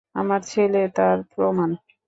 আমার ছেলে তার প্রমাণ।